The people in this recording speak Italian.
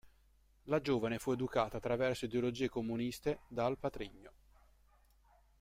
La giovane fu educata attraverso ideologie comuniste dal patrigno.